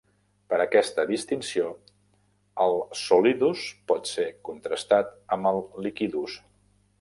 Per a aquesta distinció, el solidus pot ser contrastat amb el liquidus.